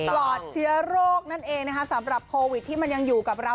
ปลอดเชื้อโรคนั่นเองนะคะสำหรับโควิดที่มันยังอยู่กับเรา